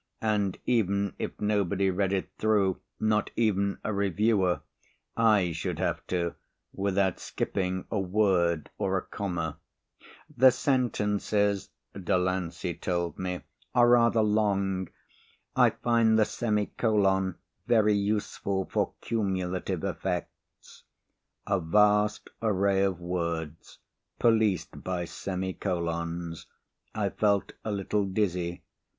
And even if nobody read it through, not even a reviewer, I should have to without skipping a word or a comma. "The sentences," Delancey told me, "are rather long. I find the semicolon very useful for cumulative effects." A vast array of words policed by semi colons. I felt a little dizzy.